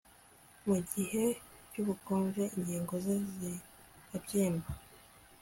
Mu gihe cyubukonje ingingo ze zirabyimba